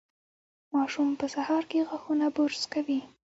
ماشوم په سهار کې غاښونه برش کوي.